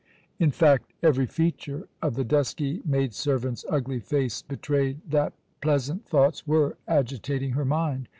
In fact, every feature of the dusky maid servant's ugly face betrayed that pleasant thoughts were agitating her mind.